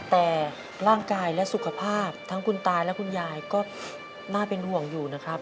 แต่ร่างกายและสุขภาพทั้งคุณตาและคุณยายก็น่าเป็นห่วงอยู่นะครับ